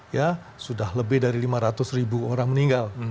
ya sudah lebih dari lima ratus ribu orang meninggal